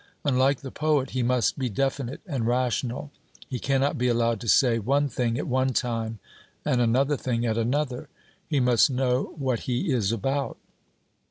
Unlike the poet, he must be definite and rational; he cannot be allowed to say one thing at one time, and another thing at another he must know what he is about.